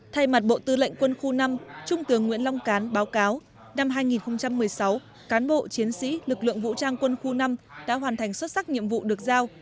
thay mặt bộ tư lệnh quân khu năm trung tướng nguyễn long cán báo cáo năm hai nghìn một mươi sáu cán bộ chiến sĩ lực lượng vũ trang quân khu năm đã hoàn thành xuất sắc nhiệm vụ được giao